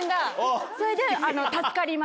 それで。